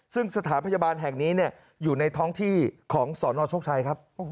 ซึ่งสถานพยาบาลแห่งนี้อยู่ในท้องที่ของสนโชคชัยครับ